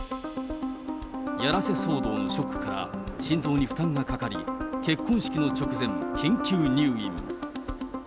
やらせ騒動のショックから、心臓に負担がかかり、結婚式の直前、緊急入院。